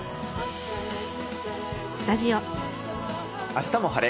「あしたも晴れ！